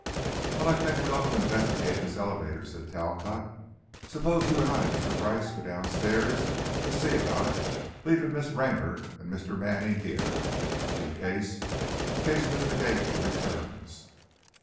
"Well, I think we ought to investigate this elevator," said Talcott. "Suppose you and I, Mr. Brice, go downstairs to see about it, leaving Miss Raynor and Mr. Manning here, in case, in case Mr. Gately returns."